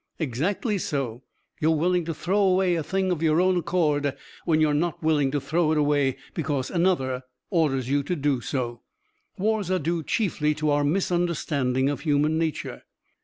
"Exactly so. You're willing to throw away a thing of your own accord, when you're not willing to throw it away because another orders you to do so. Wars are due chiefly to our misunderstanding of human nature."